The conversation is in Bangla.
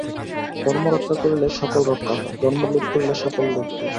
ধর্ম রক্ষা করিলে সকল রক্ষা হয়, ধর্ম লোপ করিলে সকল লোপ হয়।